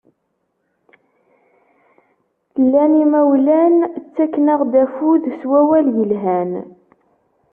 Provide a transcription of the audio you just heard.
Llan imawlan ttaken-aɣ-d affud s wawal yelhan.